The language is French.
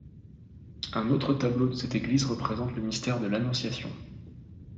Un autre tableau de cette église représente le mystère de l'Annonciation.